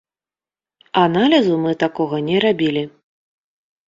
Аналізу мы такога не рабілі.